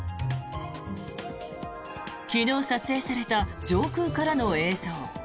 昨日撮影された上空からの映像。